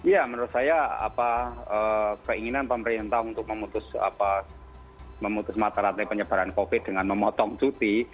ya menurut saya keinginan pemerintah untuk memutus mata rantai penyebaran covid dengan memotong cuti